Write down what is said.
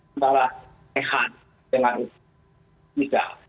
antara e hunt dengan ubica